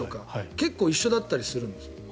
結構一緒だったりするんですよ。